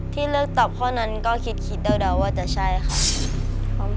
ที่เลือกตอบข้อนั้นก็คิดเดาว่าจะใช่ค่ะ